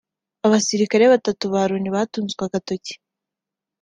Abasirikare batatu ba Loni batunzwe agatoki